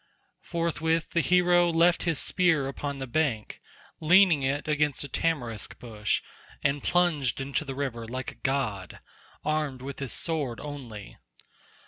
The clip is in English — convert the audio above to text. Forthwith the hero left his spear upon the bank, leaning it against a tamarisk bush, and plunged into the river like a god, armed with his sword only.